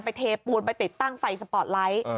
เทปูนไปติดตั้งไฟสปอร์ตไลท์